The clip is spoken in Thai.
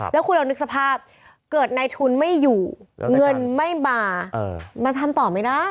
แล้วคุณเรานึกสภาพเกิดในทุนไม่อยู่เงินไม่มามันทำต่อไม่ได้